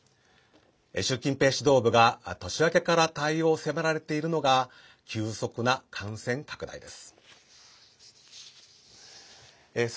習近平指導部が年明けから対応を迫られているのが急速な感染拡大です。